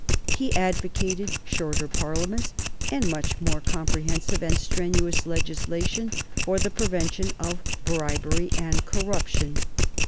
He advocated shorter Parliaments and much more comprehensive and strenuous legislation for the prevention of bribery and corruption.